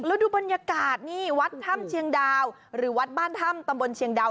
แล้วดูบรรยากาศนี่วัดถ้ำเชียงดาวหรือวัดบ้านถ้ำตำบลเชียงดาว